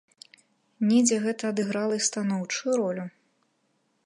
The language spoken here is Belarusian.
Недзе гэта адыграла і станоўчую ролю.